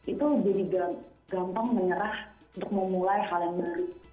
itu jadi gampang menyerah untuk memulai hal yang baru